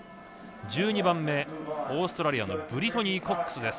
１２番目オーストラリアのブリトニー・コックス。